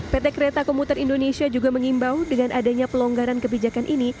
pt kereta komuter indonesia juga mengimbau dengan adanya pelonggaran kebijakan ini